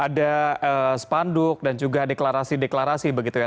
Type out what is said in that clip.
ada spanduk dan juga deklarasi deklarasi begitu ya